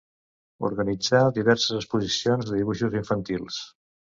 Organitzà diverses exposicions de dibuixos infantils.